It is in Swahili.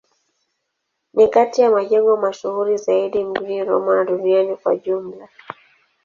Ni kati ya majengo mashuhuri zaidi mjini Roma na duniani kwa ujumla.